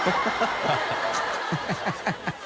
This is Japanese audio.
ハハハ